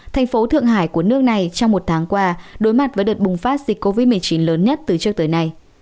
thành phố thượng hải của nước này trong một tháng qua đối mặt với đợt bùng phát dịch covid một mươi chín lớn nhất từ trước tới nay